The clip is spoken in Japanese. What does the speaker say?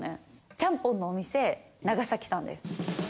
ちゃんぽんのお店、長崎さんです。